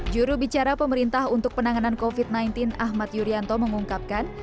jurubicara pemerintah untuk penanganan covid sembilan belas ahmad yuryanto mengungkapkan